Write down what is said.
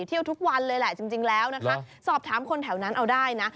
ทุกวันเลยแหละจริงแล้วนะคะสอบถามคนแถวนั้นเอาได้นะ